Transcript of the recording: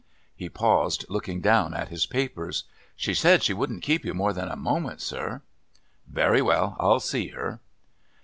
He paused, looking down at his papers. "She said she wouldn't keep you more than a moment, sir." "Very well. I'll see her."